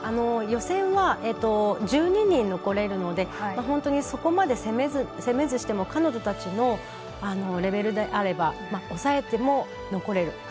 予選は１２人残れるので本当にそこまで攻めずしても彼女たちのレベルであれば抑えても、残れる。